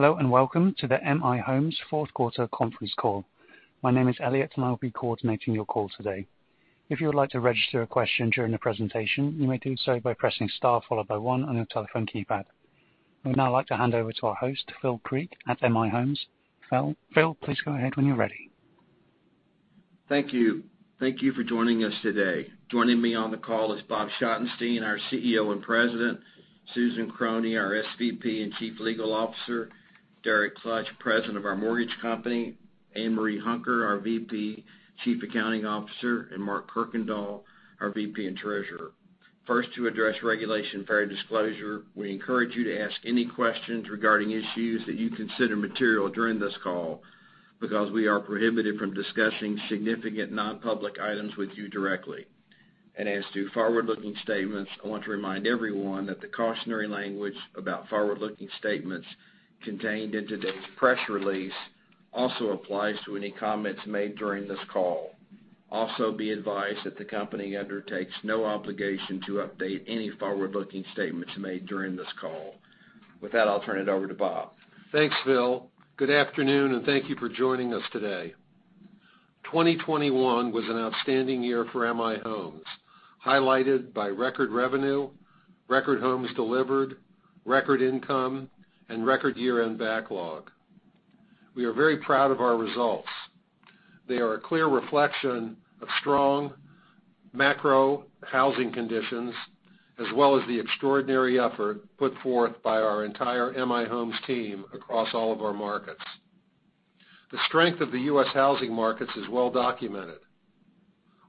Hello, and welcome to the M/I Homes fourth quarter conference call. My name is Elliot, and I'll be coordinating your call today. If you would like to register a question during the presentation, you may do so by pressing star followed by one on your telephone keypad. I would now like to hand over to our host, Phil Creek at M/I Homes. Phil, please go ahead when you're ready. Thank you. Thank you for joining us today. Joining me on the call is Bob Schottenstein, our CEO and President, Susan Krohne, our SVP and Chief Legal Officer, Derek Klutch, President of our mortgage company, Ann Marie Hunker, our VP Chief Accounting Officer, and Mark Kirkendall, our VP and Treasurer. First, to address Regulation Fair Disclosure, we encourage you to ask any questions regarding issues that you consider material during this call because we are prohibited from discussing significant non-public items with you directly. As to forward-looking statements, I want to remind everyone that the cautionary language about forward-looking statements contained in today's press release also applies to any comments made during this call. Also, be advised that the company undertakes no obligation to update any forward-looking statements made during this call. With that, I'll turn it over to Bob. Thanks, Phil. Good afternoon, and thank you for joining us today. 2021 was an outstanding year for M/I Homes, highlighted by record revenue, record homes delivered, record income and record year-end backlog. We are very proud of our results. They are a clear reflection of strong macro housing conditions as well as the extraordinary effort put forth by our entire M/I Homes team across all of our markets. The strength of the U.S. housing markets is well documented.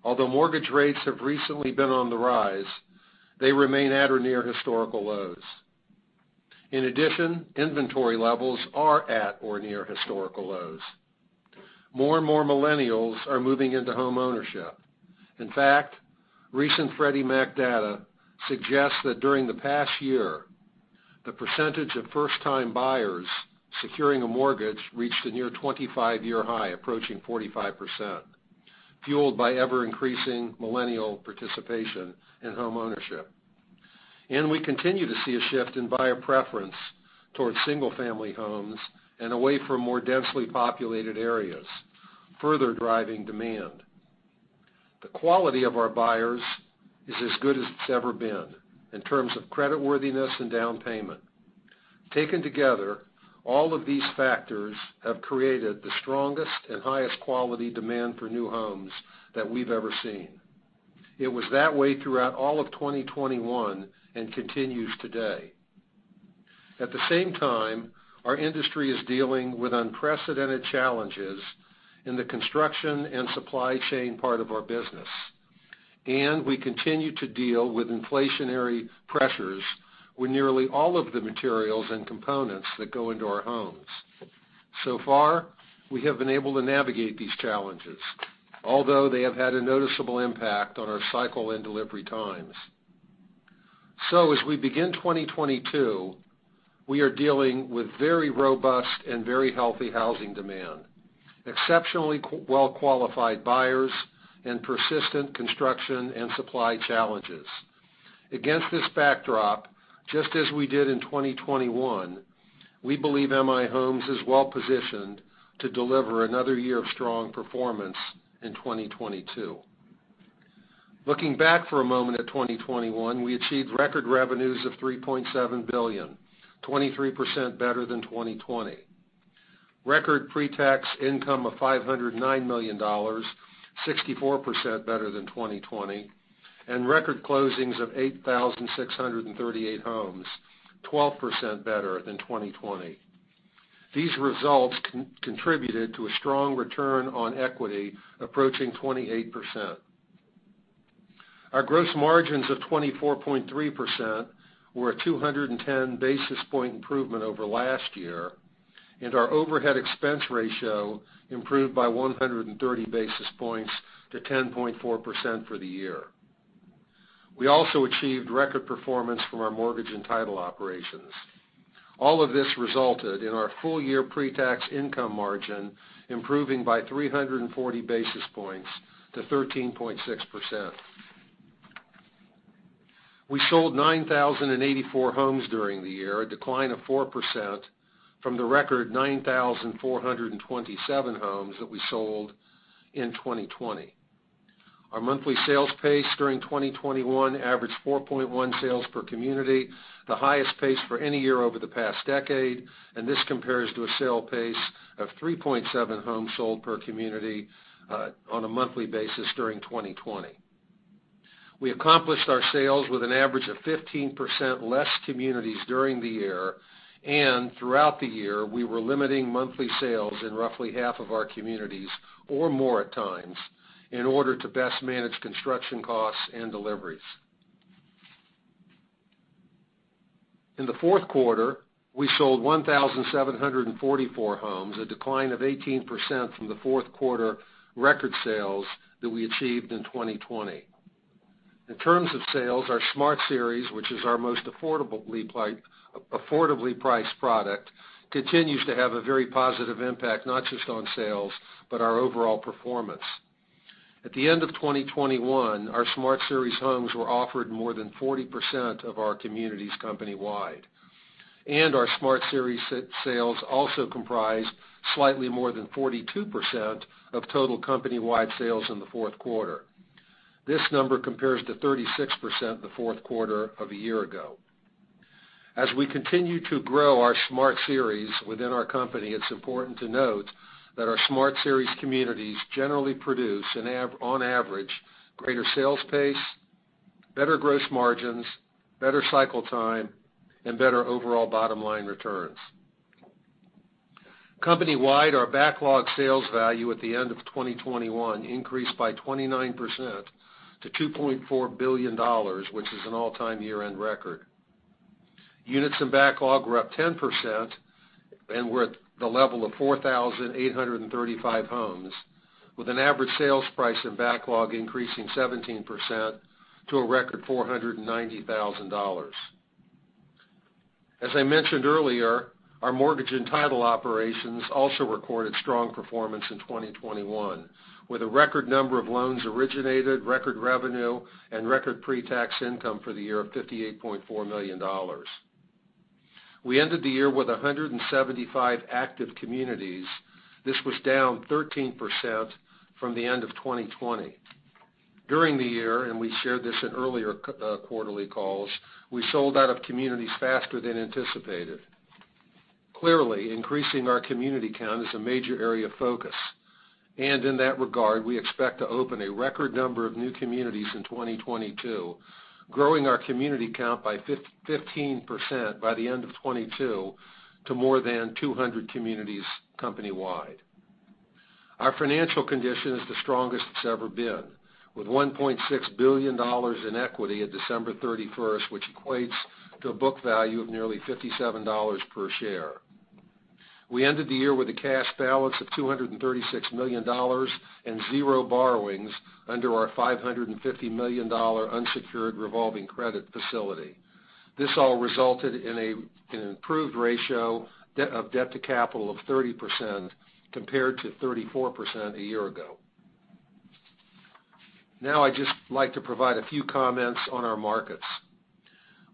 Although mortgage rates have recently been on the rise, they remain at or near historical lows. In addition, inventory levels are at or near historical lows. More and more millennials are moving into homeownership. In fact, recent Freddie Mac data suggests that during the past year, the percentage of first-time buyers securing a mortgage reached a near 25-year high, approaching 45%, fueled by ever-increasing millennial participation in homeownership. We continue to see a shift in buyer preference towards single-family homes and away from more densely populated areas, further driving demand. The quality of our buyers is as good as it's ever been in terms of creditworthiness and down payment. Taken together, all of these factors have created the strongest and highest quality demand for new homes that we've ever seen. It was that way throughout all of 2021 and continues today. At the same time, our industry is dealing with unprecedented challenges in the construction and supply chain part of our business, and we continue to deal with inflationary pressures with nearly all of the materials and components that go into our homes. So far, we have been able to navigate these challenges, although they have had a noticeable impact on our cycle and delivery times. As we begin 2022, we are dealing with very robust and very healthy housing demand, exceptionally well-qualified buyers, and persistent construction and supply challenges. Against this backdrop, just as we did in 2021, we believe M/I Homes is well positioned to deliver another year of strong performance in 2022. Looking back for a moment at 2021, we achieved record revenues of $3.7 billion, 23% better than 2020. Record pretax income of $509 million, 64% better than 2020, and record closings of 8,638 homes, 12% better than 2020. These results contributed to a strong return on equity approaching 28%. Our gross margins of 24.3% were a 210 basis point improvement over last year, and our overhead expense ratio improved by 130 basis points to 10.4% for the year. We also achieved record performance from our mortgage and title operations. All of this resulted in our full year pretax income margin improving by 340 basis points to 13.6%. We sold 9,084 homes during the year, a decline of 4% from the record 9,427 homes that we sold in 2020. Our monthly sales pace during 2021 averaged 4.1 sales per community, the highest pace for any year over the past decade, and this compares to a sale pace of 3.7 homes sold per community on a monthly basis during 2020. We accomplished our sales with an average of 15% less communities during the year and throughout the year, we were limiting monthly sales in roughly half of our communities or more at times in order to best manage construction costs and deliveries. In the fourth quarter, we sold 1,744 homes, a decline of 18% from the fourth quarter record sales that we achieved in 2020. In terms of sales, our Smart Series, which is our most affordably priced product, continues to have a very positive impact, not just on sales, but our overall performance. At the end of 2021, our Smart Series homes were offered in more than 40% of our communities company-wide. Our Smart Series sales also comprised slightly more than 42% of total company-wide sales in the fourth quarter. This number compares to 36% in the fourth quarter of a year ago. As we continue to grow our Smart Series within our company, it's important to note that our Smart Series communities generally produce, on average, greater sales pace, better gross margins, better cycle time, and better overall bottom-line returns. Company-wide, our backlog sales value at the end of 2021 increased by 29% to $2.4 billion, which is an all-time year-end record. Units in backlog were up 10% and were at the level of 4,835 homes, with an average sales price in backlog increasing 17% to a record $490,000. As I mentioned earlier, our mortgage and title operations also recorded strong performance in 2021, with a record number of loans originated, record revenue, and record pretax income for the year of $58.4 million. We ended the year with 175 active communities. This was down 13% from the end of 2020. During the year, we shared this in earlier quarterly calls, we sold out of communities faster than anticipated. Clearly, increasing our community count is a major area of focus. In that regard, we expect to open a record number of new communities in 2022, growing our community count by 15% by the end of 2022 to more than 200 communities company-wide. Our financial condition is the strongest it's ever been, with $1.6 billion in equity at December 31, which equates to a book value of nearly $57 per share. We ended the year with a cash balance of $236 million and zero borrowings under our $550 million unsecured revolving credit facility. This all resulted in an improved ratio of debt to capital of 30%, compared to 34% a year ago. Now I'd just like to provide a few comments on our markets.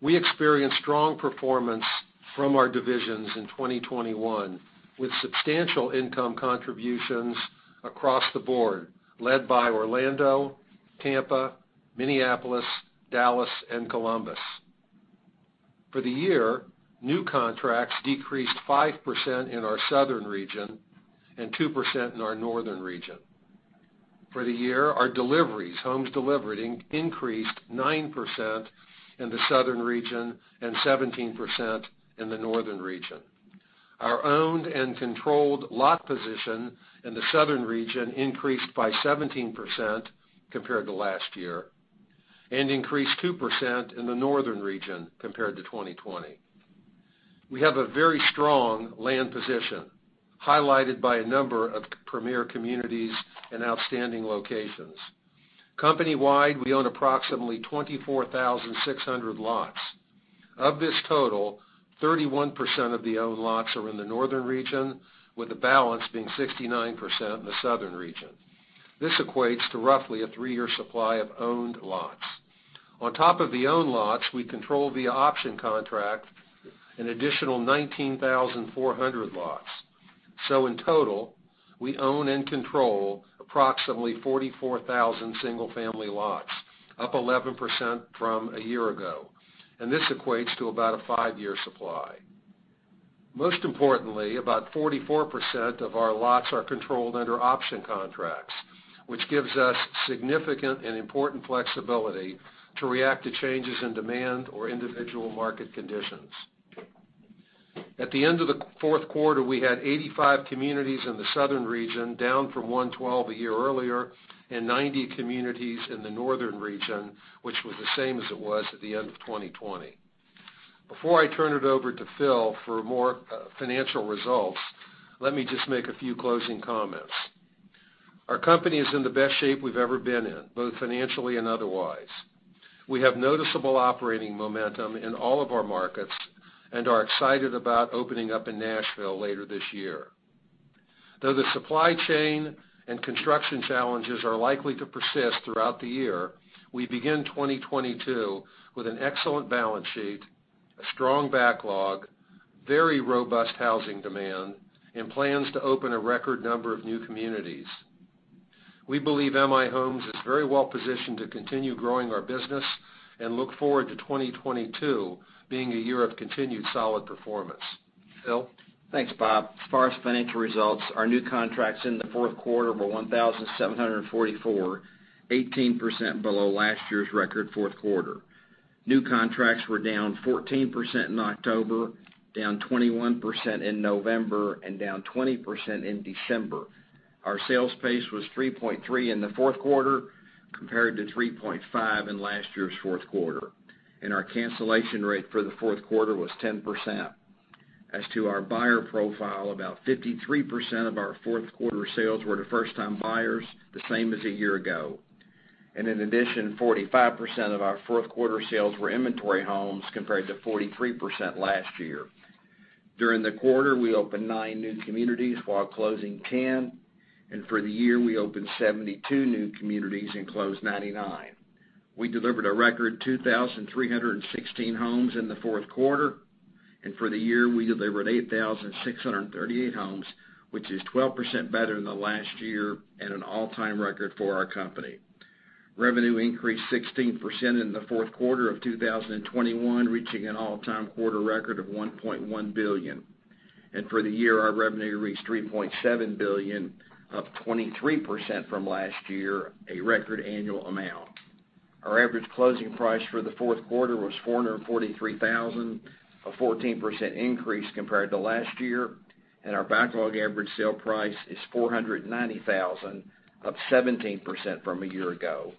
We experienced strong performance from our divisions in 2021, with substantial income contributions across the board, led by Orlando, Tampa, Minneapolis, Dallas, and Columbus. For the year, new contracts decreased 5% in our southern region and 2% in our northern region. For the year, our deliveries, homes delivered increased 9% in the southern region and 17% in the northern region. Our owned and controlled lot position in the southern region increased by 17% compared to last year and increased 2% in the northern region compared to 2020. We have a very strong land position, highlighted by a number of premier communities and outstanding locations. Company-wide, we own approximately 24,600 lots. Of this total, 31% of the owned lots are in the northern region, with the balance being 69% in the southern region. This equates to roughly a three-year supply of owned lots. On top of the owned lots, we control via option contract an additional 19,400 lots. In total, we own and control approximately 44,000 single-family lots, up 11% from a year ago. This equates to about a five-year supply. Most importantly, about 44% of our lots are controlled under option contracts, which gives us significant and important flexibility to react to changes in demand or individual market conditions. At the end of the fourth quarter, we had 85 communities in the southern region, down from 112 a year earlier, and 90 communities in the northern region, which was the same as it was at the end of 2020. Before I turn it over to Phil for more financial results, let me just make a few closing comments. Our company is in the best shape we've ever been in, both financially and otherwise. We have noticeable operating momentum in all of our markets and are excited about opening up in Nashville later this year. Though the supply chain and construction challenges are likely to persist throughout the year, we begin 2022 with an excellent balance sheet, a strong backlog, very robust housing demand, and plans to open a record number of new communities. We believe M/I Homes is very well positioned to continue growing our business and look forward to 2022 being a year of continued solid performance. Phil? Thanks, Bob. As far as financial results, our new contracts in the fourth quarter were 1,744, 18% below last year's record fourth quarter. New contracts were down 14% in October, down 21% in November, and down 20% in December. Our sales pace was 3.3 in the fourth quarter, compared to 3.5 in last year's fourth quarter. Our cancellation rate for the fourth quarter was 10%. As to our buyer profile, about 53% of our fourth quarter sales were to first-time buyers, the same as a year ago. In addition, 45% of our fourth quarter sales were inventory homes compared to 43% last year. During the quarter, we opened 9 new communities while closing 10, and for the year, we opened 72 new communities and closed 99. We delivered a record 2,316 homes in the fourth quarter, and for the year, we delivered 8,638 homes, which is 12% better than the last year and an all-time record for our company. Revenue increased 16% in the fourth quarter of 2021, reaching an all-time quarter record of $1.1 billion. For the year, our revenue reached $3.7 billion, up 23% from last year, a record annual amount. Our average closing price for the fourth quarter was $443,000, a 14% increase compared to last year, and our backlog average sale price is $490,000, up 17% from a year ago.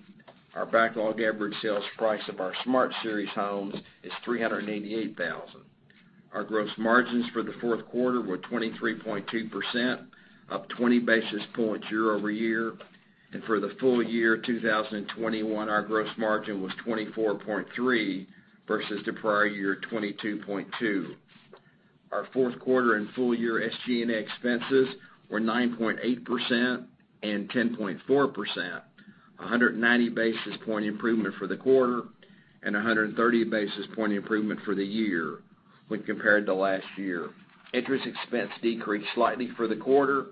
Our backlog average sales price of our Smart Series homes is $388,000. Our gross margins for the fourth quarter were 23.2%, up 20 basis points year-over-year. For the full year 2021, our gross margin was 24.3% versus the prior year 22.2%. Our fourth quarter and full year SG&A expenses were 9.8% and 10.4%, 190 basis point improvement for the quarter and 130 basis point improvement for the year when compared to last year. Interest expense decreased slightly for the quarter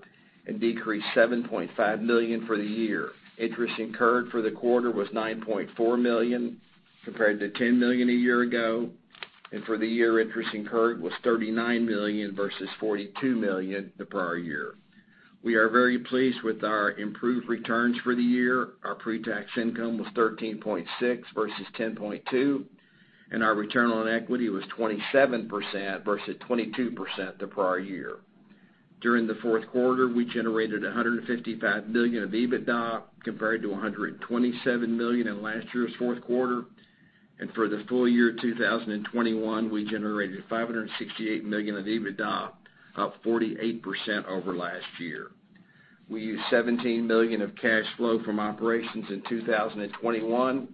and decreased $7.5 million for the year. Interest incurred for the quarter was $9.4 million compared to $10 million a year ago. For the year, interest incurred was $39 million versus $42 million the prior year. We are very pleased with our improved returns for the year. Our pre-tax income was $13.6 versus $10.2, and our return on equity was 27% versus 22% the prior year. During the fourth quarter, we generated $155 million of EBITDA compared to $127 million in last year's fourth quarter. For the full year 2021, we generated $568 million of EBITDA, up 48% over last year. We used $17 million of cash flow from operations in 2021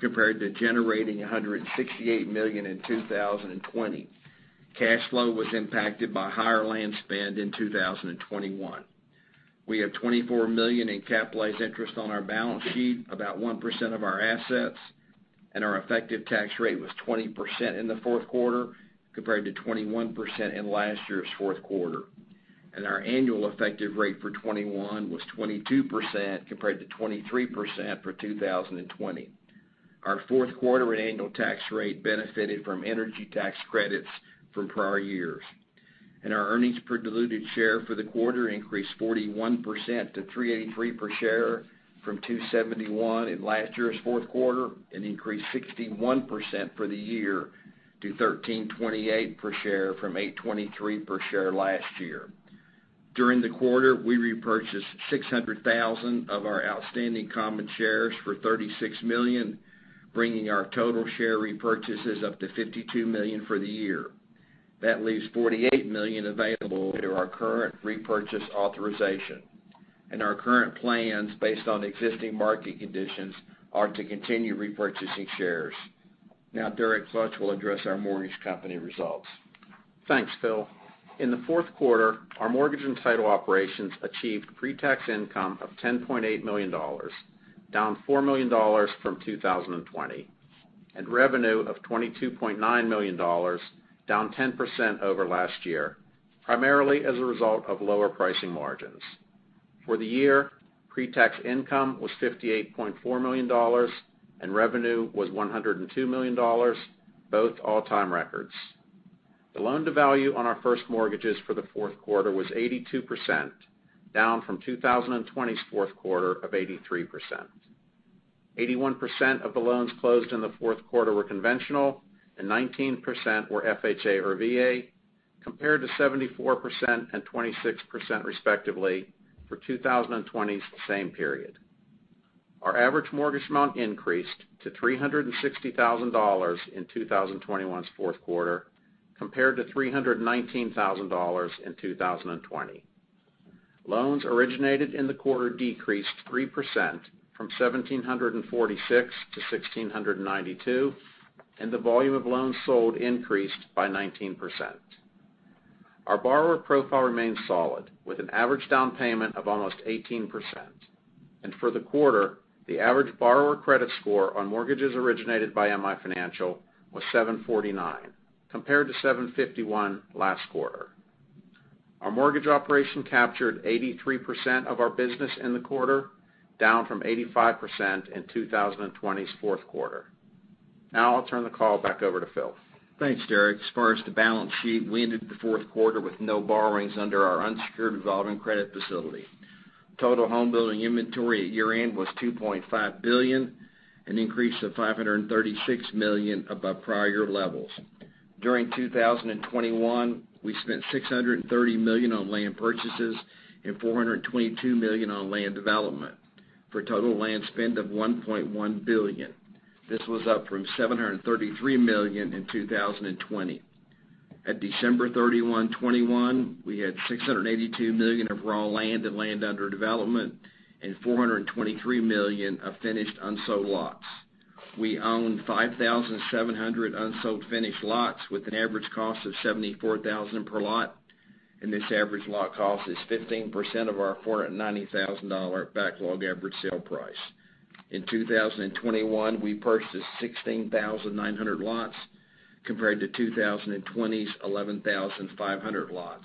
compared to generating $168 million in 2020. Cash flow was impacted by higher land spend in 2021. We have $24 million in capitalized interest on our balance sheet, about 1% of our assets, and our effective tax rate was 20% in the fourth quarter compared to 21% in last year's fourth quarter. Our annual effective rate for 2021 was 22% compared to 23% for 2020. Our fourth quarter and annual tax rate benefited from energy tax credits from prior years. Our earnings per diluted share for the quarter increased 41% to $3.83 per share from $2.71 in last year's fourth quarter, and increased 61% for the year to $13.28 per share from $8.23 per share last year. During the quarter, we repurchased 600,000 of our outstanding common shares for $36 million, bringing our total share repurchases up to $52 million for the year. That leaves $48 million available under our current repurchase authorization. Our current plans based on existing market conditions are to continue repurchasing shares. Now, Derek Klutch will address our mortgage company results. Thanks, Phil. In the fourth quarter, our mortgage and title operations achieved pre-tax income of $10.8 million, down $4 million from 2020, and revenue of $22.9 million, down 10% over last year, primarily as a result of lower pricing margins. For the year, pre-tax income was $58.4 million and revenue was $102 million, both all-time records. The loan to value on our first mortgages for the fourth quarter was 82%, down from 2020's fourth quarter of 83%. Eighty-one percent of the loans closed in the fourth quarter were conventional and 19% were FHA or VA, compared to 74% and 26% respectively for 2020's same period. Our average mortgage amount increased to $360,000 in 2021's fourth quarter compared to $319,000 in 2020. Loans originated in the quarter decreased 3% from 1,746 to 1,692, and the volume of loans sold increased by 19%. Our borrower profile remains solid with an average down payment of almost 18%. For the quarter, the average borrower credit score on mortgages originated by M/I Financial was 749, compared to 751 last quarter. Our mortgage operation captured 83% of our business in the quarter, down from 85% in 2020's fourth quarter. Now, I'll turn the call back over to Phil. Thanks, Derek. As far as the balance sheet, we ended the fourth quarter with no borrowings under our unsecured revolving credit facility. Total home building inventory at year-end was $2.5 billion, an increase of $536 million above prior year levels. During 2021, we spent $630 million on land purchases and $422 million on land development, for a total land spend of $1.1 billion. This was up from $733 million in 2020. At December 31, 2021, we had $682 million of raw land and land under development and $423 million of finished unsold lots. We own 5,700 unsold finished lots with an average cost of $74,000 per lot, and this average lot cost is 15% of our $490,000 backlog average sale price. In 2021, we purchased 16,900 lots compared to 2020's 11,500 lots.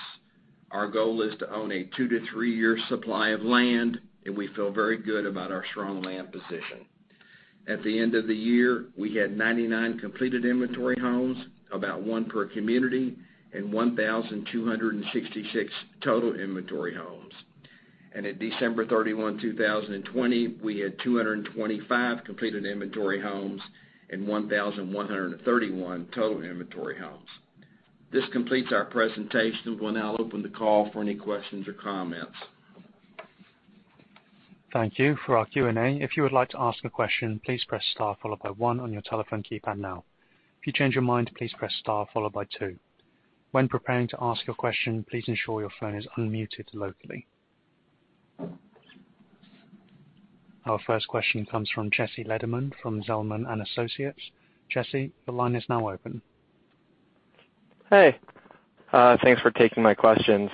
Our goal is to own a 2- to 3-year supply of land, and we feel very good about our strong land position. At the end of the year, we had 99 completed inventory homes, about one per community, and 1,266 total inventory homes. At December 31, 2020, we had 225 completed inventory homes and 1,131 total inventory homes. This completes our presentation. We'll now open the call for any questions or comments. Thank you. For our Q&A, if you would like to ask a question, please press star followed by one on your telephone keypad now. If you change your mind, please press star followed by two. When preparing to ask your question, please ensure your phone is unmuted locally. Our first question comes from Jesse Lederman from Zelman & Associates. Jesse, the line is now open. Hey. Thanks for taking my questions.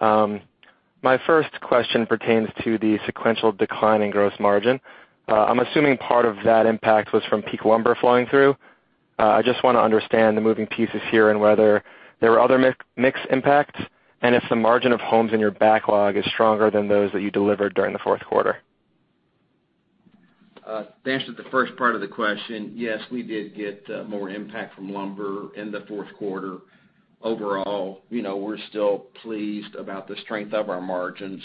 My first question pertains to the sequential decline in gross margin. I'm assuming part of that impact was from peak lumber flowing through. I just wanna understand the moving pieces here and whether there were other mix impacts and if the margin of homes in your backlog is stronger than those that you delivered during the fourth quarter. To answer the first part of the question, yes, we did get more impact from lumber in the fourth quarter. Overall, you know, we're still pleased about the strength of our margins.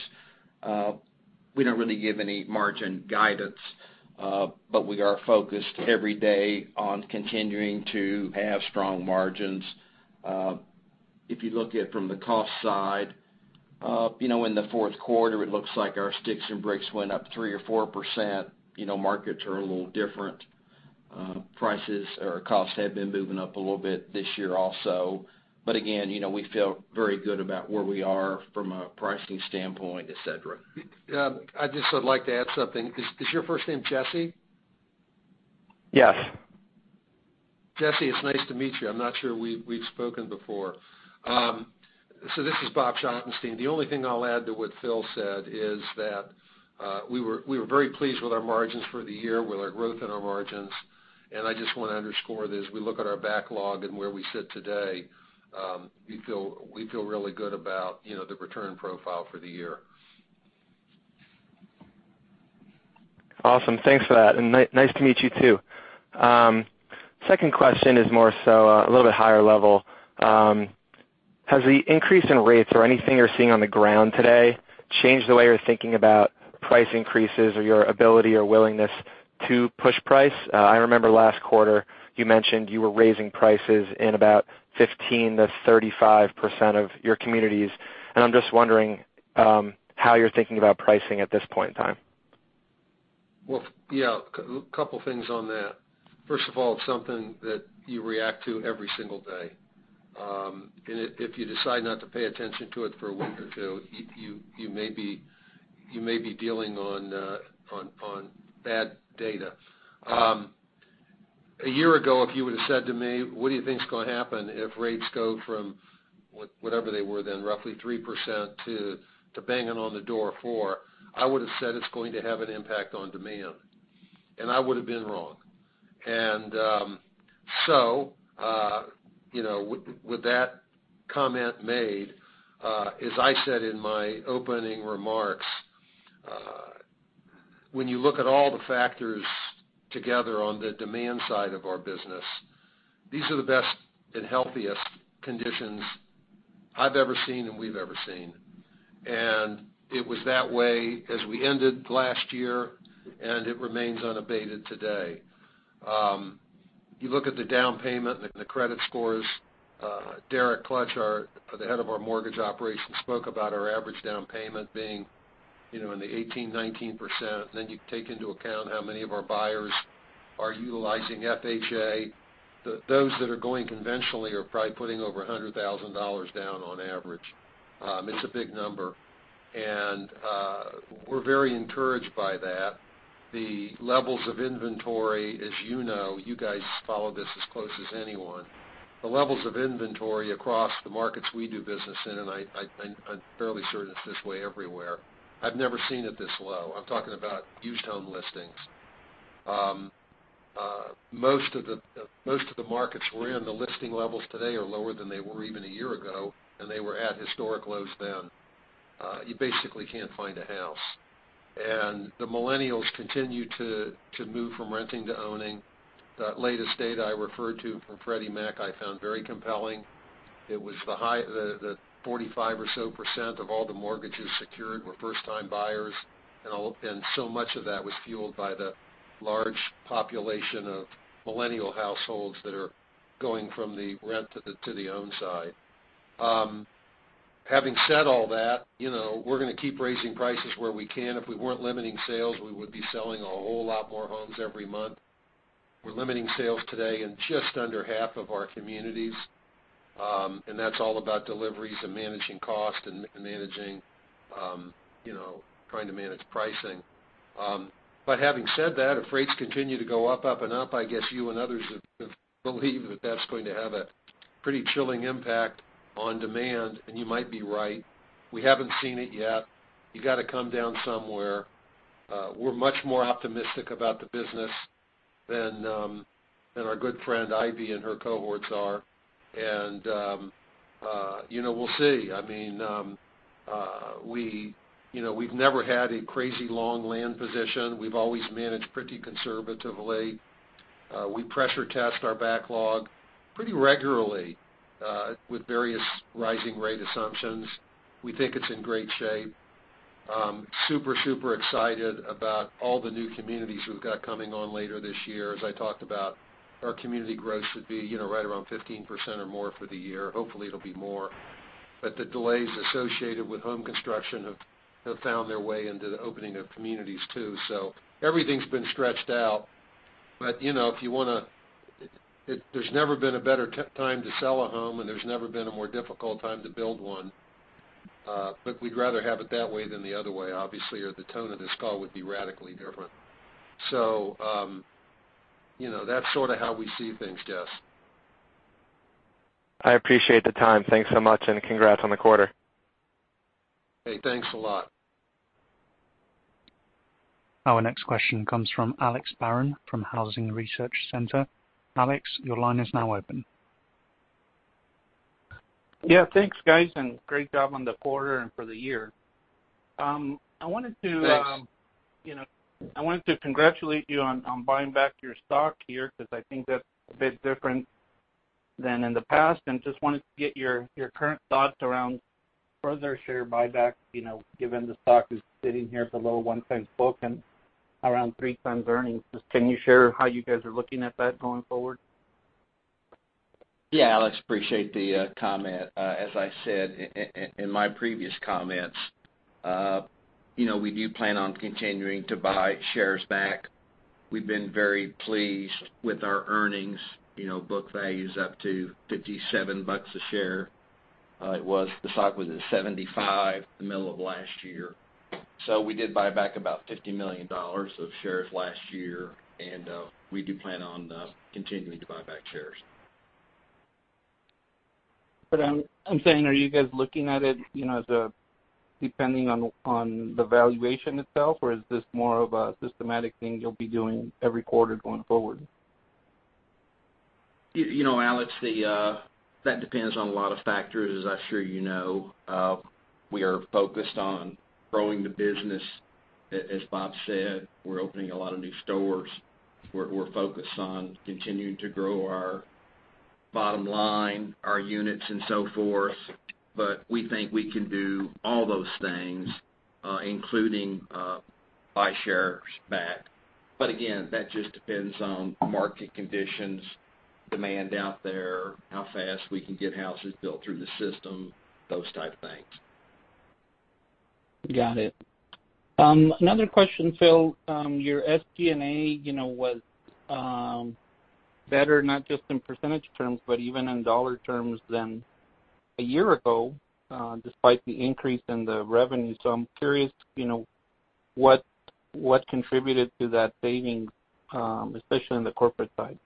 We don't really give any margin guidance, but we are focused every day on continuing to have strong margins. If you look at from the cost side, you know, in the fourth quarter, it looks like our sticks and bricks went up 3% or 4%. You know, markets are a little different. Prices or costs have been moving up a little bit this year also. But again, you know, we feel very good about where we are from a pricing standpoint, et cetera. Yeah, I just would like to add something. Is your first name Jesse? Yes. Jesse Lederman, it's nice to meet you. I'm not sure we've spoken before. So this is Bob Schottenstein. The only thing I'll add to what Phil Creek said is that we were very pleased with our margins for the year, with our growth in our margins. I just wanna underscore that as we look at our backlog and where we sit today, we feel really good about, you know, the return profile for the year. Awesome. Thanks for that. Nice to meet you too. Second question is more so a little bit higher level. Has the increase in rates or anything you're seeing on the ground today changed the way you're thinking about price increases or your ability or willingness to push price? I remember last quarter you mentioned you were raising prices in about 15%-35% of your communities, and I'm just wondering how you're thinking about pricing at this point in time. Well, yeah. Couple things on that. First of all, it's something that you react to every single day. If you decide not to pay attention to it for a week or two, you may be dealing on bad data. A year ago, if you would've said to me, "What do you think is gonna happen if rates go from whatever they were then, roughly 3% to banging on the door of 4%," I would've said it's going to have an impact on demand, and I would've been wrong. You know, with that comment made, as I said in my opening remarks, when you look at all the factors together on the demand side of our business, these are the best and healthiest conditions I've ever seen and we've ever seen. It was that way as we ended last year, and it remains unabated today. You look at the down payment and the credit scores, Derek Klutch, our the head of our mortgage operations, spoke about our average down payment being, you know, in the 18%-19%. Then you take into account how many of our buyers are utilizing FHA. Those that are going conventionally are probably putting over $100,000 down on average. It's a big number, and we're very encouraged by that. The levels of inventory, as you know, you guys follow this as close as anyone, the levels of inventory across the markets we do business in, and I'm fairly certain it's this way everywhere, I've never seen it this low. I'm talking about used home listings. Most of the markets we're in, the listing levels today are lower than they were even a year ago, and they were at historic lows then. You basically can't find a house. The millennials continue to move from renting to owning. That latest data I referred to from Freddie Mac I found very compelling. It was the 45% or so of all the mortgages secured were first-time buyers, and so much of that was fueled by the large population of millennial households that are going from the rent to the own side. Having said all that, you know, we're gonna keep raising prices where we can. If we weren't limiting sales, we would be selling a whole lot more homes every month. We're limiting sales today in just under half of our communities, and that's all about deliveries and managing costs and, you know, trying to manage pricing. Having said that, if rates continue to go up and up, I guess you and others have believed that that's going to have a pretty chilling impact on demand, and you might be right. We haven't seen it yet. You gotta come down somewhere. We're much more optimistic about the business than our good friend Ivy and her cohorts are. You know, we'll see. I mean, we, you know, we've never had a crazy long land position. We've always managed pretty conservatively. We pressure test our backlog pretty regularly with various rising rate assumptions. We think it's in great shape. Super excited about all the new communities we've got coming on later this year. As I talked about, our community growth should be, you know, right around 15% or more for the year. Hopefully, it'll be more. The delays associated with home construction have found their way into the opening of communities, too. Everything's been stretched out. You know, there's never been a better time to sell a home, and there's never been a more difficult time to build one. We'd rather have it that way than the other way, obviously, or the tone of this call would be radically different. You know, that's sorta how we see things, Jesse. I appreciate the time. Thanks so much, and congrats on the quarter. Hey, thanks a lot. Our next question comes from Alex Barron from Housing Research Center. Alex, your line is now open. Yeah. Thanks, guys, and great job on the quarter and for the year. I wanted to. Thanks. You know, I wanted to congratulate you on buying back your stock here 'cause I think that's a bit different than in the past. Just wanted to get your current thoughts around further share buyback, you know, given the stock is sitting here below 1x book and around 3x earnings. Just can you share how you guys are looking at that going forward? Yeah, Alex, appreciate the comment. As I said in my previous comments, you know, we do plan on continuing to buy shares back. We've been very pleased with our earnings. You know, book value's up to $57 a share. The stock was at $75 the middle of last year. We did buy back about $50 million of shares last year, and we do plan on continuing to buy back shares. I'm saying, are you guys looking at it, you know, as depending on the valuation itself, or is this more of a systematic thing you'll be doing every quarter going forward? You know, Alex, that depends on a lot of factors, as I'm sure you know. We are focused on growing the business. As Bob said, we're opening a lot of new stores. We're focused on continuing to grow our bottom line, our units and so forth, but we think we can do all those things, including buy shares back. But again, that just depends on market conditions, demand out there, how fast we can get houses built through the system, those type of things. Got it. Another question, Phil. Your SG&A, you know, was better not just in percentage terms, but even in dollar terms than a year ago, despite the increase in the revenue. I'm curious, you know, what contributed to that savings, especially on the corporate side?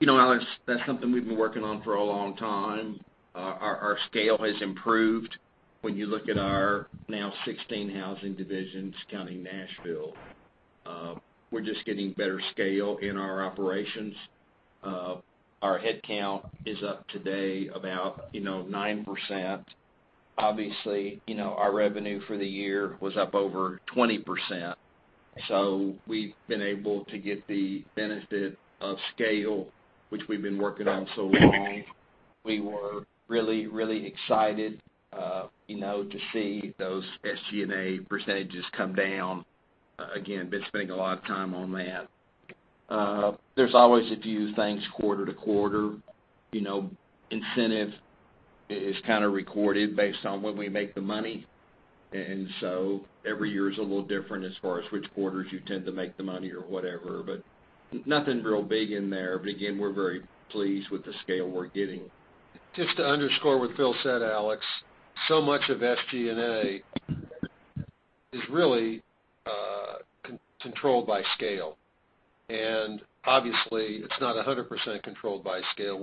You know, Alex, that's something we've been working on for a long time. Our scale has improved when you look at our now 16 housing divisions counting Nashville. We're just getting better scale in our operations. Our head count is up today about, you know, 9%. Obviously, you know, our revenue for the year was up over 20%. We've been able to get the benefit of scale, which we've been working on so long. We were really excited, you know, to see those SG&A percentages come down. Again, been spending a lot of time on that. There's always a few things quarter to quarter. You know, incentive is kinda recorded based on when we make the money, and so every year is a little different as far as which quarters you tend to make the money or whatever. Nothing real big in there. Again, we're very pleased with the scale we're getting. Just to underscore what Phil said, Alex, so much of SG&A is really controlled by scale. Obviously, it's not 100% controlled by scale.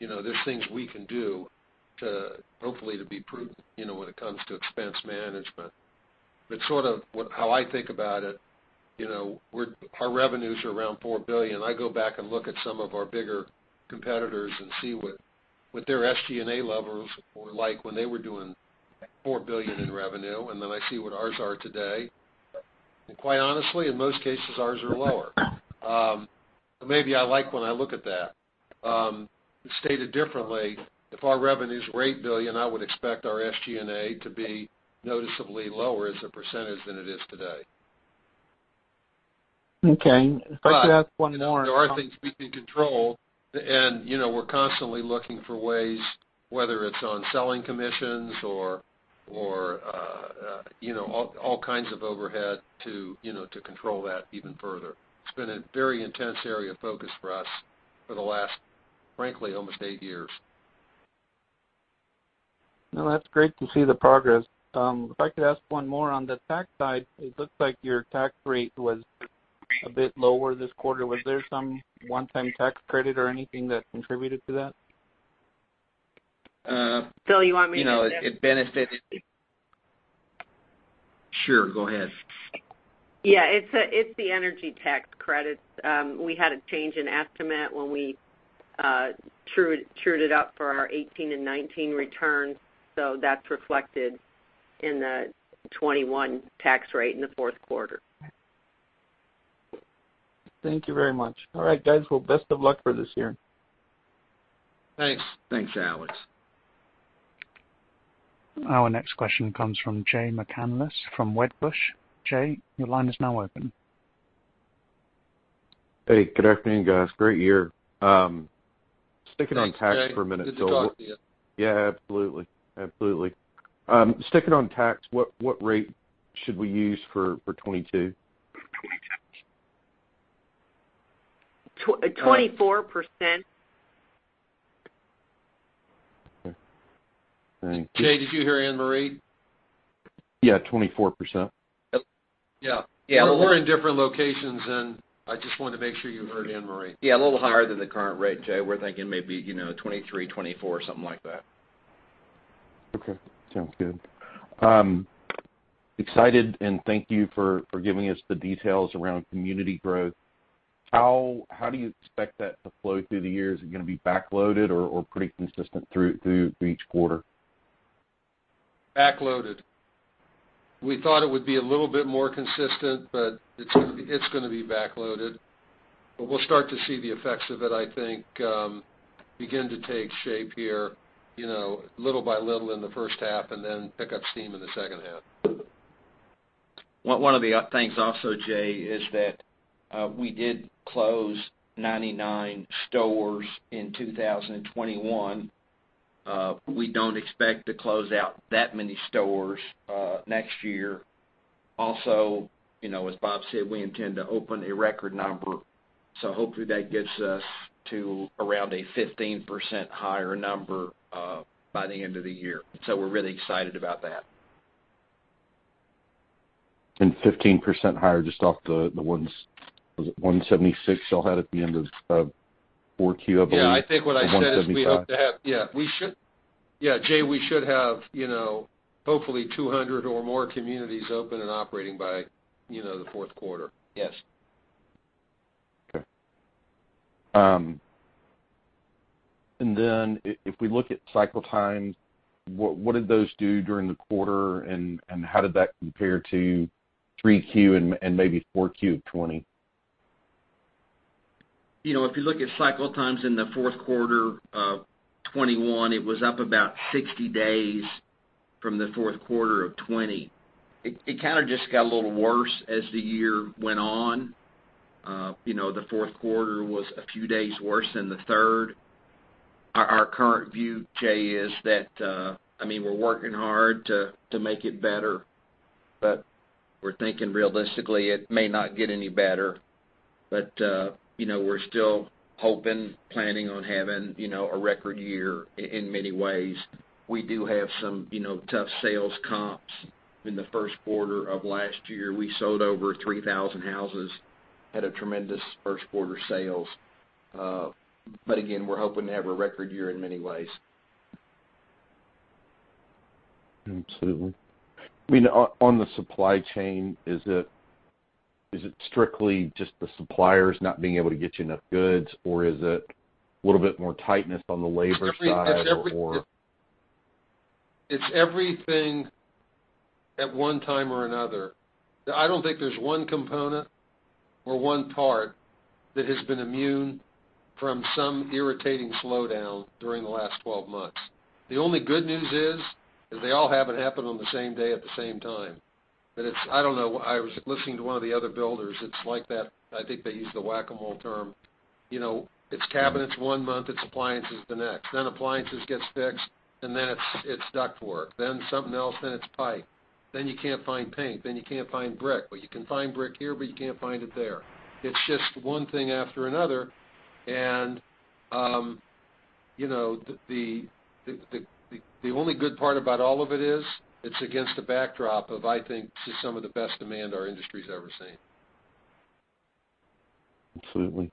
You know, there are things we can do to hopefully be prudent, you know, when it comes to expense management. Sort of how I think about it, you know, our revenues are around $4 billion. I go back and look at some of our bigger competitors and see what their SG&A levels were like when they were doing $4 billion in revenue, and then I see what ours are today. Quite honestly, in most cases, ours are lower. Maybe I like when I look at that. Stated differently, if our revenues were $8 billion, I would expect our SG&A to be noticeably lower as a percentage than it is today. Okay. If I could ask one more. There are things we can control, and, you know, we're constantly looking for ways, whether it's on selling commissions or, you know, all kinds of overhead to, you know, to control that even further. It's been a very intense area of focus for us for the last, frankly, almost eight years. No, that's great to see the progress. If I could ask one more on the tax side. It looks like your tax rate was a bit lower this quarter. Was there some one-time tax credit or anything that contributed to that? Uh. Phil, you want me to- You know, it benefited. Sure. Go ahead. Yeah. It's the energy tax credits. We had a change in estimate when we trued it up for our 2018 and 2019 returns, so that's reflected in the 2021 tax rate in the fourth quarter. Thank you very much. All right, guys. Well, best of luck for this year. Thanks. Thanks, Alex. Our next question comes from Jay McCanless from Wedbush. Jay, your line is now open. Hey, good afternoon, guys. Great year. Sticking on tax for a minute. Thanks, Jay. Good to talk to you. Yeah, absolutely. Sticking on tax, what rate should we use for 2022? 24%. Okay. Thank you. Jay, did you hear Ann Marie? Yeah. 24%. Yeah. Yeah. We're in different locations, and I just wanted to make sure you heard Ann Marie. Yeah, a little higher than the current rate, Jay. We're thinking maybe, you know, 23-24, something like that. Okay. Sounds good. I'm excited and thank you for giving us the details around community growth. How do you expect that to flow through the years? Is it gonna be backloaded or pretty consistent through each quarter? Backloaded. We thought it would be a little bit more consistent, but it's gonna be backloaded. We'll start to see the effects of it, I think, begin to take shape here, you know, little by little in the first half, and then pick up steam in the second half. One of the things also, Jay, is that we did close 99 stores in 2021. We don't expect to close out that many stores next year. Also, you know, as Bob said, we intend to open a record number, so hopefully that gets us to around a 15% higher number by the end of the year. We're really excited about that. 15% higher just off the ones, was it 176 y'all had at the end of Q4, I believe? Yeah, I think what I said is we hope to have. 175. Yeah, Jay, we should have, you know, hopefully 200 or more communities open and operating by, you know, the fourth quarter. Yes. Okay. If we look at cycle times, what did those do during the quarter, and how did that compare to 3Q and maybe 4Q of 2020? You know, if you look at cycle times in the fourth quarter of 2021, it was up about 60 days from the fourth quarter of 2020. It kind of just got a little worse as the year went on. You know, the fourth quarter was a few days worse than the third. Our current view, Jay, is that, I mean, we're working hard to make it better, but we're thinking realistically it may not get any better. You know, we're still hoping, planning on having a record year in many ways. We do have some, you know, tough sales comps in the first quarter of last year. We sold over 3,000 houses, had a tremendous first quarter sales. Again, we're hoping to have a record year in many ways. Absolutely. I mean, on the supply chain, is it strictly just the suppliers not being able to get you enough goods, or is it a little bit more tightness on the labor side or- It's everything at one time or another. I don't think there's one component or one part that has been immune from some irritating slowdown during the last 12 months. The only good news is they all haven't happened on the same day at the same time. That it's. I don't know, I was listening to one of the other builders, it's like that, I think they used the Whac-A-Mole term. You know, it's cabinets one month, it's appliances the next. Then appliances gets fixed, and then it's duct work, then something else, then it's pipe. Then you can't find paint, then you can't find brick. But you can find brick here, but you can't find it there. It's just one thing after another. You know, the only good part about all of it is, it's against the backdrop of, I think, just some of the best demand our industry's ever seen. Absolutely.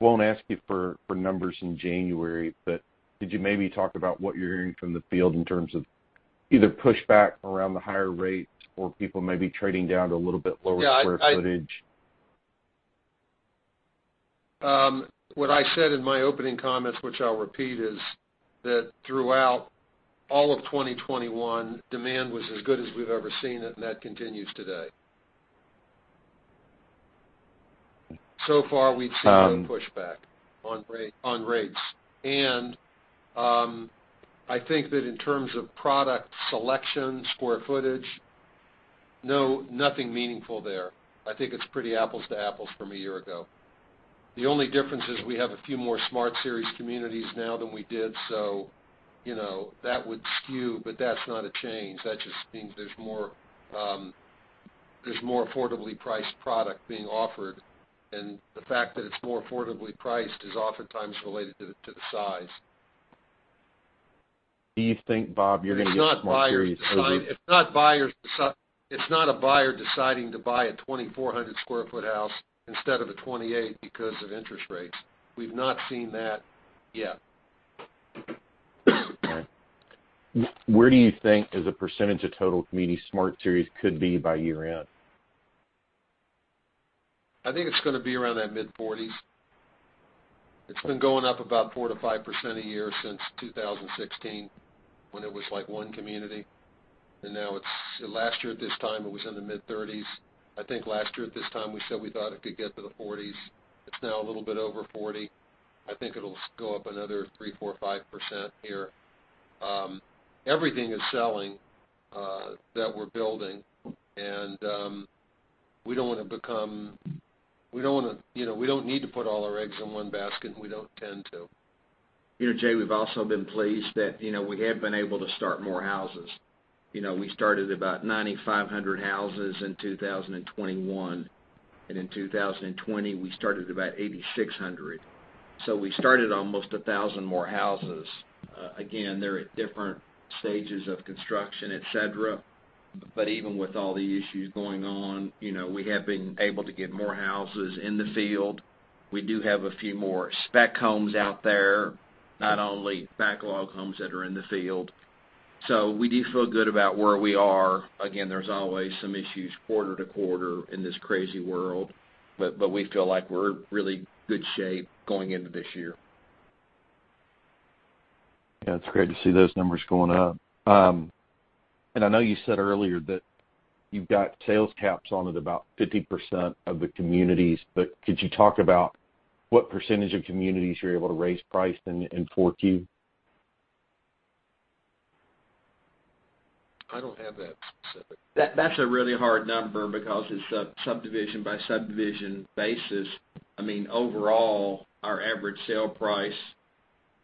Won't ask you for numbers in January, but could you maybe talk about what you're hearing from the field in terms of either pushback around the higher rates or people maybe trading down to a little bit lower square footage? Yeah, what I said in my opening comments, which I'll repeat, is that throughout all of 2021, demand was as good as we've ever seen, and that continues today. So far, we've seen no pushback on rate, on rates. I think that in terms of product selection, square footage, no, nothing meaningful there. I think it's pretty apples to apples from a year ago. The only difference is we have a few more Smart Series communities now than we did, so, you know, that would skew, but that's not a change. That just means there's more affordably priced product being offered. The fact that it's more affordably priced is oftentimes related to the size. Do you think, Bob, you're gonna get some more series over- It's not a buyer deciding to buy a 2,400 sq ft house instead of a 2,800 because of interest rates. We've not seen that yet. Where do you think, as a percentage of total community Smart Series could be by year-end? I think it's gonna be around that mid-40s. It's been going up about 4%-5% a year since 2016, when it was, like, one community. Now, last year this time, it was in the mid-30s. I think last year at this time, we said we thought it could get to the 40s. It's now a little bit over 40. I think it'll go up another 3, 4, 5% here. Everything is selling that we're building, and we don't wanna, you know, we don't need to put all our eggs in one basket, and we don't tend to. You know, Jay, we've also been pleased that, you know, we have been able to start more houses. You know, we started about 9,500 houses in 2021, and in 2020, we started about 8,600. We started almost 1,000 more houses. Again, they're at different stages of construction, et cetera. But even with all the issues going on, you know, we have been able to get more houses in the field. We do have a few more spec homes out there, not only backlog homes that are in the field. We do feel good about where we are. Again, there's always some issues quarter to quarter in this crazy world. But we feel like we're in really good shape going into this year. Yeah, it's great to see those numbers going up. I know you said earlier that you've got sales caps on at about 50% of the communities, but could you talk about what percentage of communities you're able to raise price in 4Q? I don't have that specific. That's a really hard number because it's sub-subdivision by subdivision basis. I mean, overall, our average sale price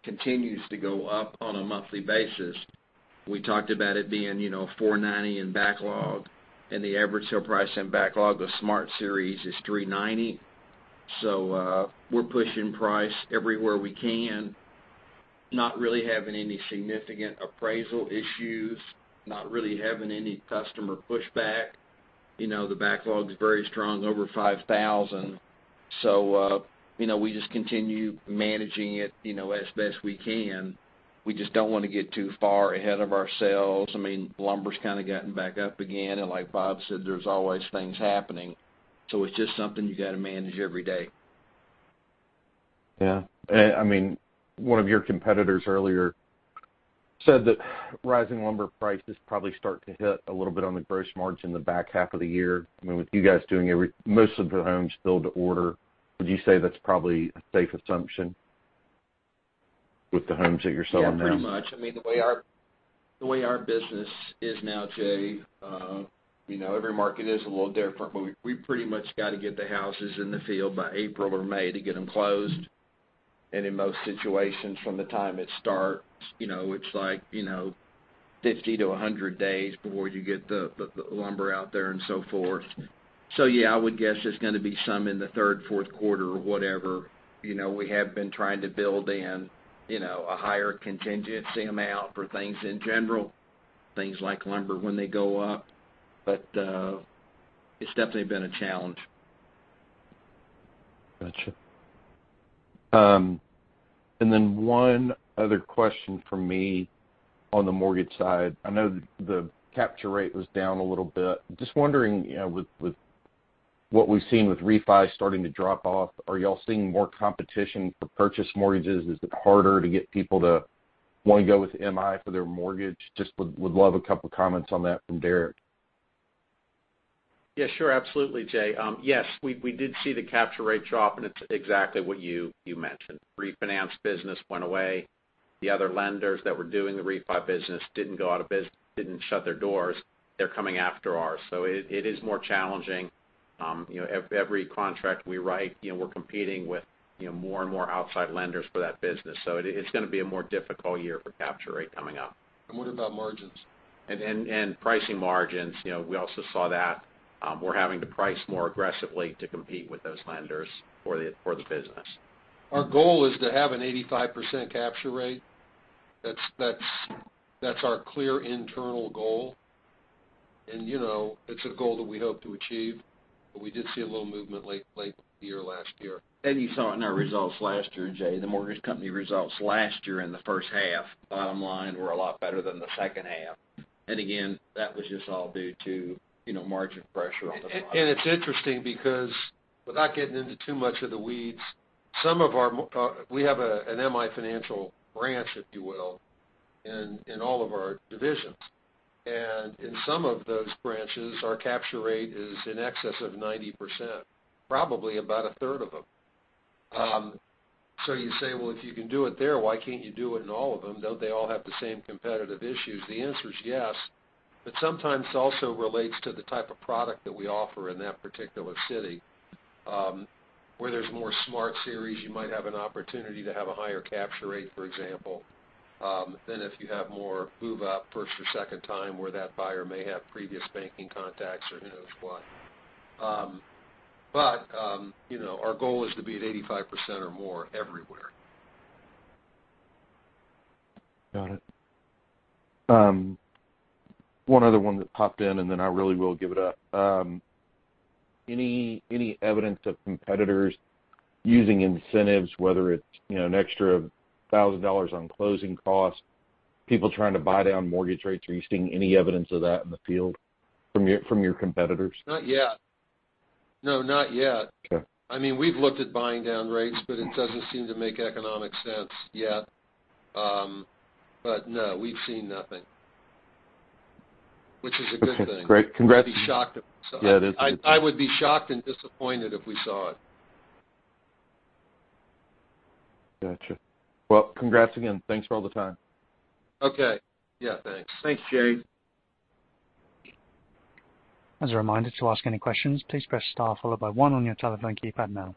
continues to go up on a monthly basis. We talked about it being, you know, $490 in backlog, and the average sale price in backlog of Smart Series is $390. We're pushing price everywhere we can, not really having any significant appraisal issues, not really having any customer pushback. You know, the backlog is very strong, over 5,000. You know, we just continue managing it, you know, as best we can. We just don't wanna get too far ahead of ourselves. I mean, lumber's kind of gotten back up again, and like Bob said, there's always things happening. It's just something you gotta manage every day. Yeah. I mean, one of your competitors earlier said that rising lumber prices probably start to hit a little bit on the gross margin in the back half of the year. I mean, with you guys doing most of the homes build to order, would you say that's probably a safe assumption with the homes that you're selling now? Yeah, pretty much. I mean, the way our business is now, Jay, you know, every market is a little different, but we pretty much gotta get the houses in the field by April or May to get them closed. In most situations, from the time it starts, you know, it's like 50-100 days before you get the lumber out there and so forth. Yeah, I would guess there's gonna be some in the third, fourth quarter or whatever. You know, we have been trying to build in a higher contingency amount for things in general, things like lumber when they go up. It's definitely been a challenge. Gotcha. Then one other question from me on the mortgage side. I know the capture rate was down a little bit. Just wondering, you know, with what we've seen with refi starting to drop off, are y'all seeing more competition for purchase mortgages? Is it harder to get people to wanna go with MI for their mortgage? Just would love a couple comments on that from Derek. Yeah, sure. Absolutely, Jay. Yes, we did see the capture rate drop, and it's exactly what you mentioned. Refinance business went away. The other lenders that were doing the refi business didn't shut their doors. They're coming after ours. It is more challenging. You know, every contract we write, you know, we're competing with, you know, more and more outside lenders for that business. It's gonna be a more difficult year for capture rate coming up. What about margins? pricing margins, you know, we also saw that, we're having to price more aggressively to compete with those lenders for the business. Our goal is to have an 85% capture rate. That's our clear internal goal. You know, it's a goal that we hope to achieve, but we did see a little movement late last year. You saw it in our results last year, Jay. The mortgage company results last year in the first half, bottom line, were a lot better than the second half. Again, that was just all due to, you know, margin pressure on the bottom line. It's interesting because, without getting into too much of the weeds, some of our, we have an M/I Financial branch, if you will, in all of our divisions. In some of those branches, our capture rate is in excess of 90%, probably about a third of them. You say, well, if you can do it there, why can't you do it in all of them? Don't they all have the same competitive issues? The answer is yes, but sometimes also relates to the type of product that we offer in that particular city, where there's more Smart Series, you might have an opportunity to have a higher capture rate, for example, than if you have more move-up, first or second time where that buyer may have previous banking contacts or who knows what. you know, our goal is to be at 85% or more everywhere. Got it. One other one that popped in, and then I really will give it up. Any evidence of competitors using incentives, whether it's, you know, an extra $1,000 on closing costs, people trying to buy down mortgage rates? Are you seeing any evidence of that in the field from your competitors? Not yet. No, not yet. Okay. I mean, we've looked at buying down rates, but it doesn't seem to make economic sense yet. No, we've seen nothing. Which is a good thing. Okay, great. Congrats. I'd be shocked if we saw it. Yeah, it is. I would be shocked and disappointed if we saw it. Gotcha. Well, congrats again. Thanks for all the time. Okay. Yeah, thanks. Thanks, Jay. As a reminder to ask any questions, please press star followed by one on your telephone keypad now.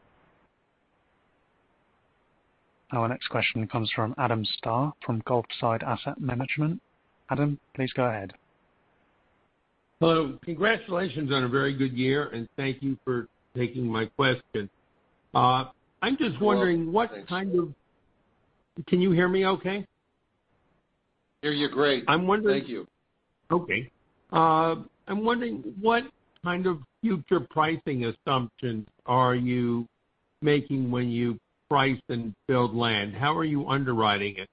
Our next question comes from Alan Ratner from Zelman & Associate. Alan, please go ahead. Hello. Congratulations on a very good year, and thank you for taking my question. I'm just wondering what kind of. Can you hear me okay? hear you great. I'm wondering. Thank you. Okay. I'm wondering what kind of future pricing assumptions are you making when you price and build land? How are you underwriting it?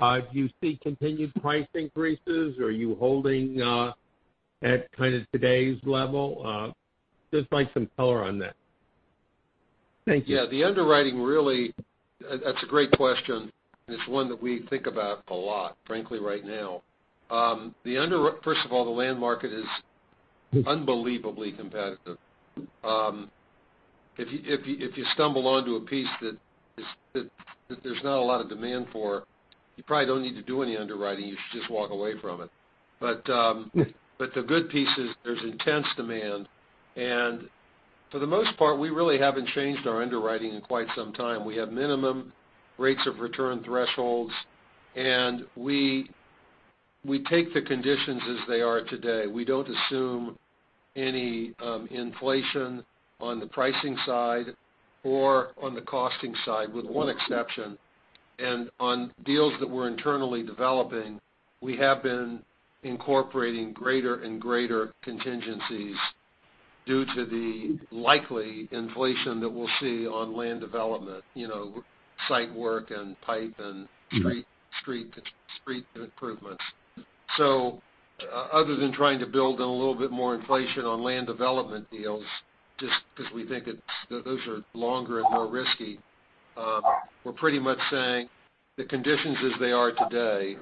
Do you see continued price increases, or are you holding at kind of today's level? Just like some color on that. Thank you. Yeah. The underwriting really. That's a great question, and it's one that we think about a lot, frankly, right now. First of all, the land market is unbelievably competitive. If you stumble onto a piece that there's not a lot of demand for, you probably don't need to do any underwriting. You should just walk away from it. The good piece is there's intense demand. For the most part, we really haven't changed our underwriting in quite some time. We have minimum rates of return thresholds, and we take the conditions as they are today. We don't assume any inflation on the pricing side or on the costing side, with one exception. On deals that we're internally developing, we have been incorporating greater and greater contingencies due to the likely inflation that we'll see on land development, you know, site work and pipe and street improvements. Other than trying to build in a little bit more inflation on land development deals, just because we think it's, those are longer and more risky, we're pretty much saying the conditions as they are today,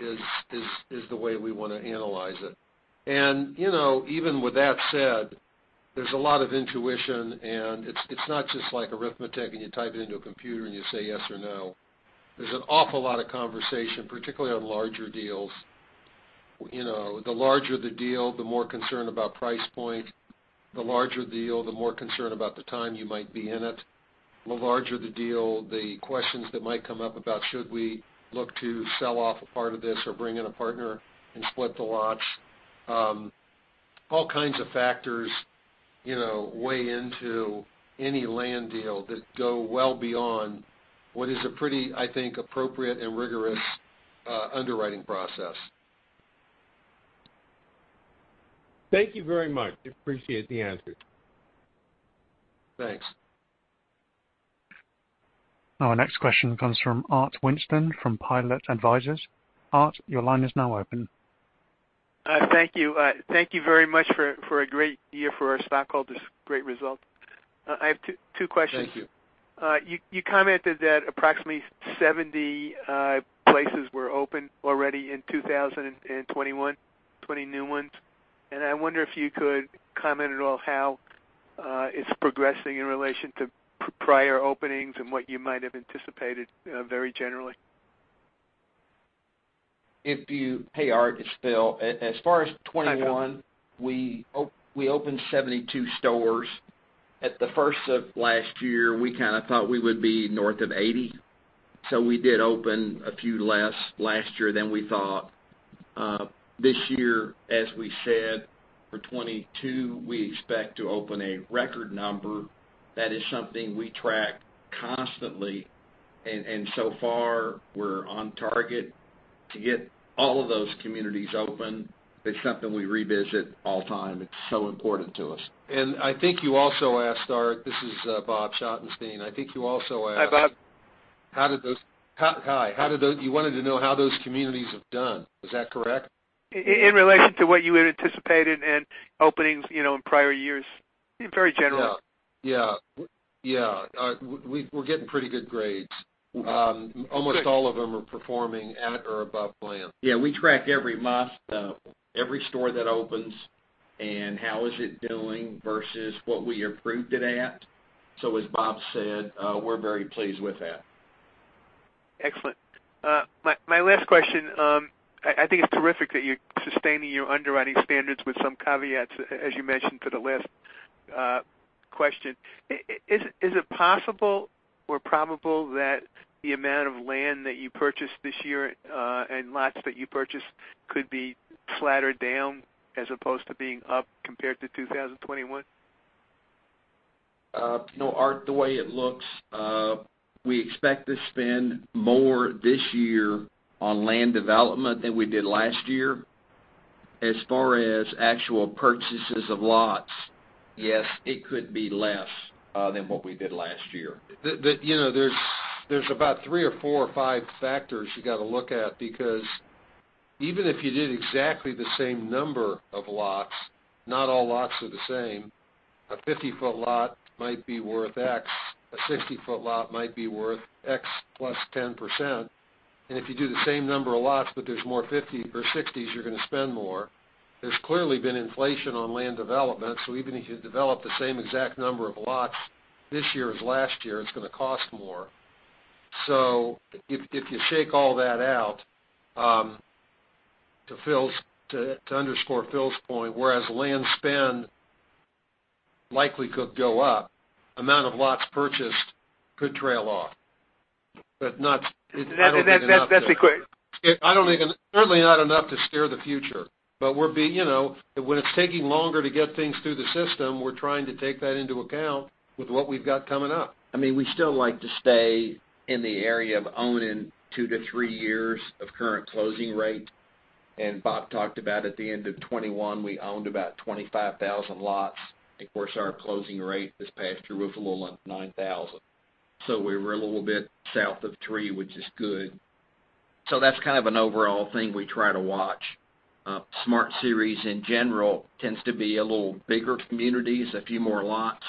is the way we wanna analyze it. You know, even with that said, there's a lot of intuition, and it's not just like arithmetic, and you type it into a computer and you say yes or no. There's an awful lot of conversation, particularly on larger deals. You know, the larger the deal, the more concerned about price point. The larger the deal, the more concerned about the time you might be in it. The larger the deal, the questions that might come up about should we look to sell off a part of this or bring in a partner and split the lots. All kinds of factors, you know, weigh into any land deal that go well beyond what is a pretty, I think, appropriate and rigorous, underwriting process. Thank you very much. I appreciate the answers. Thanks. Our next question comes from Art Winston from Pilot Advisors. Art, your line is now open. Thank you. Thank you very much for a great year for our stockholders. Great result. I have two questions. Thank you. You commented that approximately 70 places were open already in 2021, 20 new ones. I wonder if you could comment at all how it's progressing in relation to prior openings and what you might have anticipated, very generally. Hey, Art, it's Phil. As far as 2021, we opened 72 communities. At the first of last year, we kind of thought we would be north of 80, so we did open a few less last year than we thought. This year, as we said, for 2022, we expect to open a record number. That is something we track constantly, and so far we're on target to get all of those communities open. It's something we revisit all the time. It's so important to us. I think you also asked, Art. This is Bob Schottenstein. Hi, Bob. You wanted to know how those communities have done. Is that correct? In relation to what you had anticipated and openings, you know, in prior years. Very general. Yeah, we're getting pretty good grades. Almost all of them are performing at or above plan. Yeah, we track every month, every store that opens and how is it doing versus what we approved it at. As Bob said, we're very pleased with that. Excellent. My last question, I think it's terrific that you're sustaining your underwriting standards with some caveats, as you mentioned to the last question. Is it possible or probable that the amount of land that you purchased this year and lots that you purchased could be flattened down as opposed to being up compared to 2021? No, Art, the way it looks, we expect to spend more this year on land development than we did last year. As far as actual purchases of lots, yes, it could be less than what we did last year. You know, there's about 3 or 4 or 5 factors you gotta look at because even if you did exactly the same number of lots, not all lots are the same. A 50-foot lot might be worth X, a 60-foot lot might be worth X plus 10%. If you do the same number of lots, but there's more 50 or 60s, you're gonna spend more. There's clearly been inflation on land development, so even if you develop the same exact number of lots this year as last year, it's gonna cost more. If you shake all that out to underscore Phil's point, whereas land spend likely could go up, amount of lots purchased could trail off. But not- That's the que- Certainly not enough to steer the future. We're being, you know, when it's taking longer to get things through the system. We're trying to take that into account with what we've got coming up. I mean, we still like to stay in the area of owning 2-3 years of current closing rate. Bob talked about at the end of 2021, we owned about 25,000 lots. Of course, our closing rate this past year was a little under 9,000. We were a little bit south of 3, which is good. That's kind of an overall thing we try to watch. Smart Series in general tends to be a little bigger communities, a few more lots.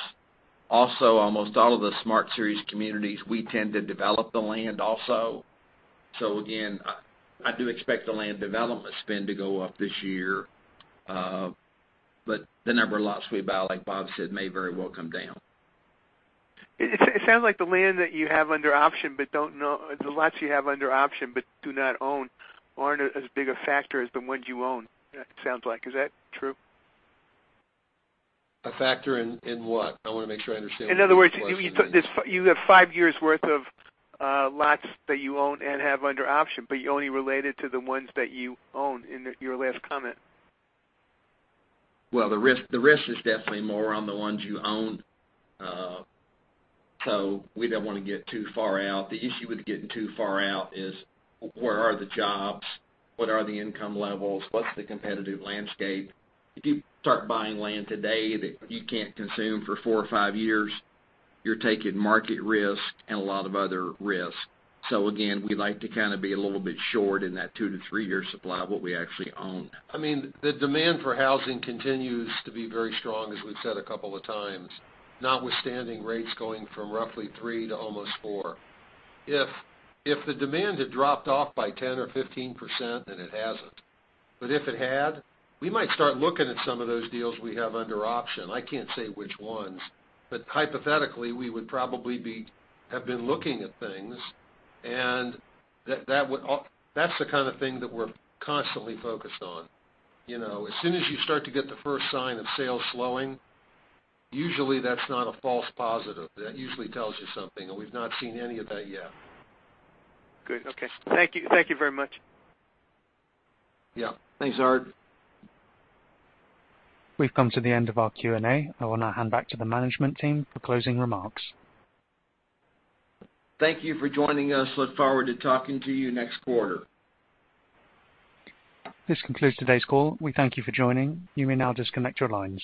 Also, almost all of the Smart Series communities, we tend to develop the land also. Again, I do expect the land development spend to go up this year, but the number of lots we buy, like Bob said, may very well come down. It sounds like the land that you have under option, the lots you have under option but do not own, aren't as big a factor as the ones you own, it sounds like. Is that true? A factor in what? I wanna make sure I understand. In other words, you have five years worth of lots that you own and have under option, but you only relate it to the ones that you own in your last comment. Well, the risk is definitely more on the ones you own. We don't wanna get too far out. The issue with getting too far out is where are the jobs? What are the income levels? What's the competitive landscape? If you start buying land today that you can't consume for 4 or 5 years, you're taking market risk and a lot of other risks. Again, we like to kinda be a little bit short in that 2-3-year supply of what we actually own. I mean, the demand for housing continues to be very strong, as we've said a couple of times, notwithstanding rates going from roughly 3 to almost 4. If the demand had dropped off by 10% or 15%, and it hasn't, but if it had, we might start looking at some of those deals we have under option. I can't say which ones, but hypothetically, we would probably have been looking at things, and that's the kind of thing that we're constantly focused on. You know, as soon as you start to get the first sign of sales slowing, usually that's not a false positive. That usually tells you something, and we've not seen any of that yet. Good. Okay. Thank you. Thank you very much. Yeah. Thanks, Art. We've come to the end of our Q&A. I wanna hand back to the management team for closing remarks. Thank you for joining us. Look forward to talking to you next quarter. This concludes today's call. We thank you for joining. You may now disconnect your lines.